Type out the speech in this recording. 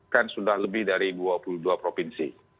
kan sudah lebih dari dua puluh dua provinsi